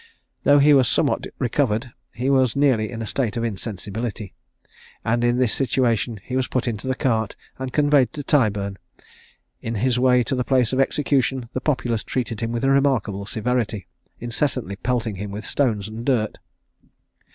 Though he was somewhat recovered, he was nearly in a state of insensibility; and in this situation he was put into the cart and conveyed to Tyburn. In his way to the place of execution the populace treated him with remarkable severity, incessantly pelting him with stones and dirt.